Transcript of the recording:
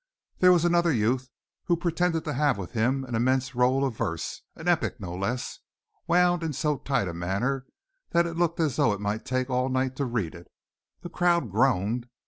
There was another youth who pretended to have with him an immense roll of verse an epic, no less wound in so tight a manner that it looked as though it might take all night to read it. The crowd groaned.